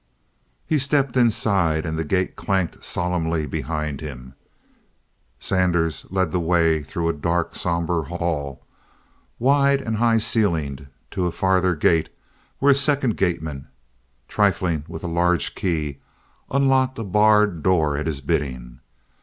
He stepped inside, and the gate clanked solemnly behind him. Zanders led the way through a dark, somber hall, wide and high ceiled, to a farther gate, where a second gateman, trifling with a large key, unlocked a barred door at his bidding.